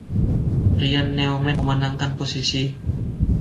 Ryan Newman memenangkan posisi.